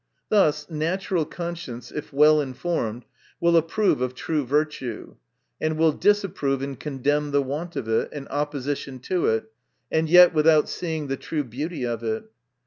Thus natural conscience, if well informed, will approve of true virtue, and will disapprove and condemn the want of it, and opposition to it ; and yet without seeing the true beauty of it.